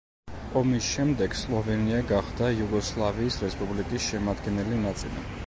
ომის შემდეგ სლოვენია გახდა იუგოსლავიის რესპუბლიკის შემადგენელი ნაწილი.